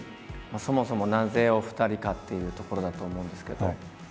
そもそもなぜお二人かっていうところだと思うんですけど。